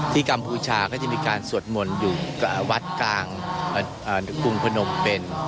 กัมพูชาก็จะมีการสวดมนต์อยู่กับวัดกลางกรุงพนมเป็น